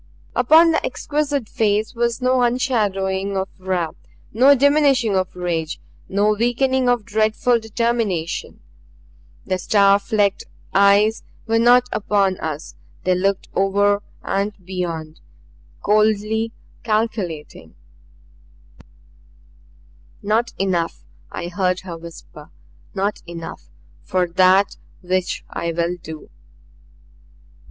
Upon the exquisite face was no unshadowing of wrath, no diminishing of rage, no weakening of dreadful determination. The star flecked eyes were not upon us; they looked over and beyond coldly, calculatingly. "Not enough," I heard her whisper. "Not enough for that which I will do."